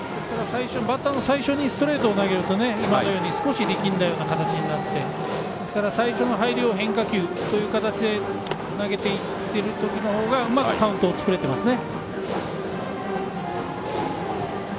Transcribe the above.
バッターの最初にストレートを投げると少し力んだような形になって最初の入りを変化球という形で投げていってる時の方がうまくカウント作れてますね。